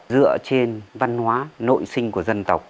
dựa trên văn hóa nội sinh của dân tộc